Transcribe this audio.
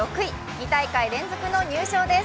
２大会連続の入賞です。